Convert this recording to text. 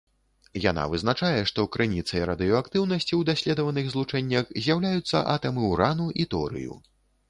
Яна вызначае, што крыніцай радыеактыўнасці ў даследаваных злучэннях з'яўляюцца атамы ўрану і торыю.